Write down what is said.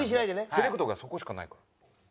セレクトがそこしかないから。